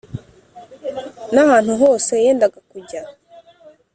N ahantu hose yendaga kujya